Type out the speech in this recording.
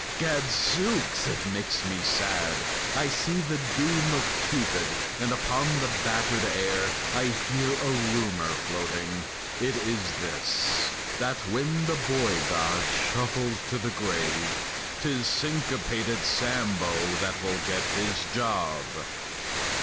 Gadzooks! it makes me sad! I see the doom Of Cupid, and upon the battered air I hear a rumor floating. It is this: That when the boy god shuffles to the grave 'Tis Syncopated Sambo that will get His job!